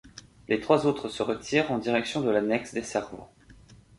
Les trois autres se retirent en direction de l'annexe des servants.